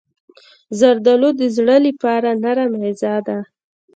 زردالو د زړه لپاره نرم غذا ده.